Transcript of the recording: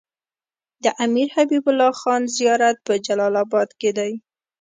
د امير حبيب الله خان زيارت په جلال اباد کی دی